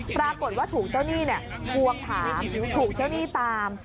ปรากฏว่าถูกเจ้าหนี้ทวงถามถูกเจ้าหนี้ตาม